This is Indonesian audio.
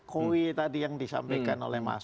kowe tadi yang disampaikan oleh mas